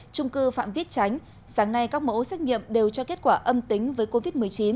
trung cư phạm viết chánh sáng nay các mẫu xét nghiệm đều cho kết quả âm tính với covid một mươi chín